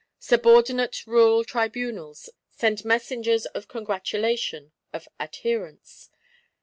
Subordinate rural Tribunals send messengers of congratulation, of adherence.